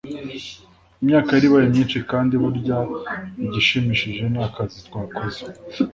imyaka yari ibaye myinshi kandi burya igishimishije ni akazi twakoze